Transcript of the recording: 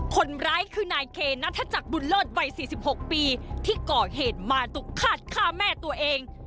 คนร้ายคือนายเคนนัทธจักรบุญเลิศวัย๔๖ปีที่ก่อเหตุมาตุกฆาตฆ่าแม่ตัวเอง